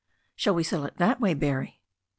"Shall we settle it that way, Barrie